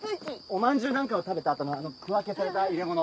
おまんじゅうなんかを食べた後のあの区分けされた入れ物。